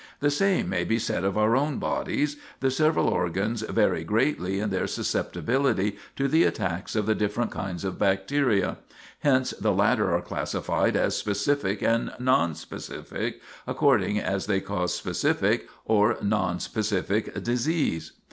The same may be said of our own bodies the several organs vary greatly in their susceptibility to the attacks of the different kinds of bacteria; hence the latter are classified as specific and nonspecific, according as they cause specific or nonspecific disease.